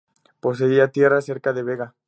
Poseía tierras cerca de Bega.